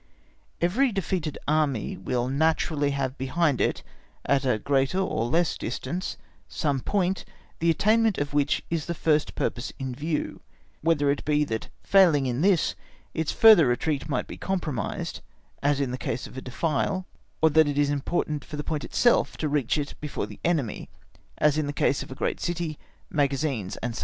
Every defeated Army will naturally have behind it, at a greater or less distance, some point, the attainment of which is the first purpose in view, whether it be that failing in this its further retreat might be compromised, as in the case of a defile, or that it is important for the point itself to reach it before the enemy, as in the case of a great city, magazines, &c.